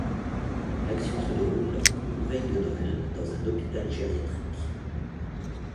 L'action se déroule une veille de Noël dans un hôpital gériatrique.